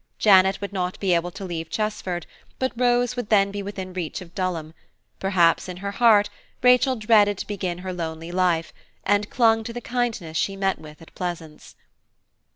Janet would not be able to leave Chesford, but Rose would then be within reach of Dulham; perhaps in her heart Rachel dreaded to begin her lonely life, and clung to the kindness she met with at Pleasance.